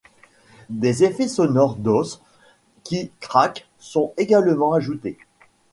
Des effets sonores d'os qui craquent sont également ajoutés.